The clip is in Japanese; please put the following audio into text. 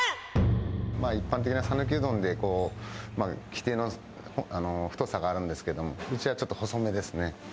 一般的な讃岐うどんで規定の太さがあるんですけど、うちはちょっと細めですね。